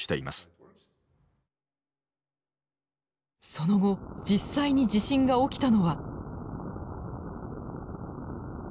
その後実際に地震が起きたのは。